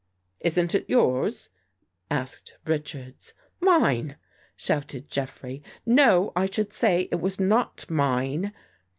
"Isn't it yours?" asked Richards. "Mine?" shouted Jeffrey. "No, I should say it was not mine."